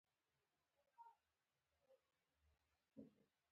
وسله بدن ټوټې کوي